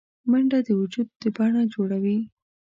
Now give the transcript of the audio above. منډه د وجود د بڼه جوړوي